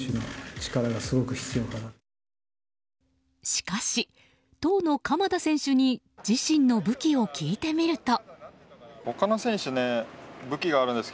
しかし当の鎌田選手に自身の武器を聞いてみると。